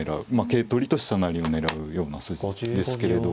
桂取りと飛車成りを狙うような筋ですけれど。